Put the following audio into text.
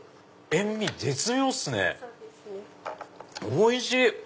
おいしい！